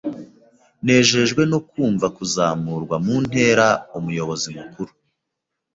Nejejwe no kumva kuzamurwa mu ntera Umuyobozi mukuru.